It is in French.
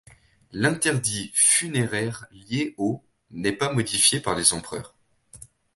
L’interdit funéraire lié au ' n’est pas modifié par les empereurs.